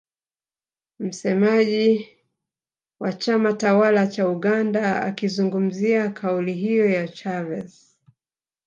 Msemaji wa chama tawala cha Uganda akizungumzia kauli hiyo ya Chavez